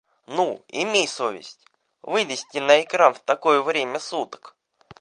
Ну имей совесть! Вылезти на экран в такое время суток...